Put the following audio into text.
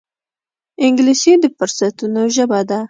انګلیسي د فرصتونو ژبه ده